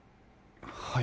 はい。